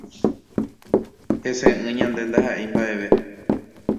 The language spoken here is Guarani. Heseʼỹ ñande ndahaʼéi mbaʼeve.